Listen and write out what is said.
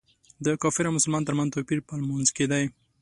د کافر او مسلمان تر منځ توپیر په لمونځ کې دی.